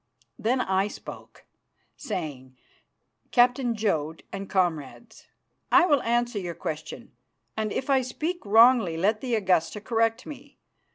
Then I spoke, saying, "Captain Jodd, and comrades, I will answer your question, and if I speak wrongly let the Augusta correct me.